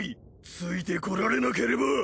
ついてこられなければ。